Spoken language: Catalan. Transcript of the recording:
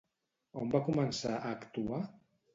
On va començar a actuar?